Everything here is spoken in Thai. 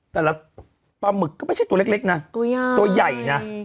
แต่ละปลาหมึกก็ไม่ใช่ตัวเล็กนะตัวใหญ่ตัวใหญ่นะ